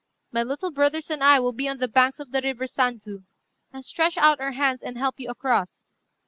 My little brothers and I will be on the banks of the river Sandzu, and stretch out our hands and help you across.